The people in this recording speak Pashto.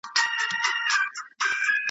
واخله د خزان سندره زه به درته یاد سمه .